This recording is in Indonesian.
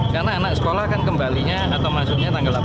karena anak sekolah kan kembalinya atau masuknya tanggal delapan belas